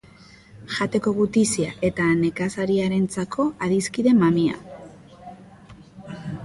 Jateko gutizia eta nekazariarentzako adiskide mamia.